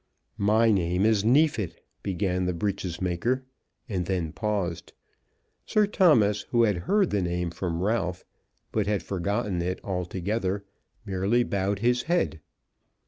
"My name is Neefit," began the breeches maker, and then paused. Sir Thomas, who had heard the name from Ralph, but had forgotten it altogether, merely bowed his head.